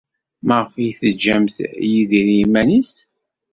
Maɣef ay teǧǧamt Yidir i yiman-nnes?